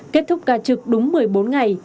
kết thúc ca trực đúng một mươi bốn ngày